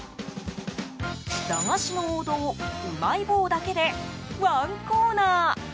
駄菓子の王道うまい棒だけでワンコーナー。